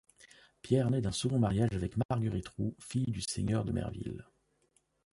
Pierre naît d'un second mariage avec Marguerite Roux, fille du seigneur de Merville.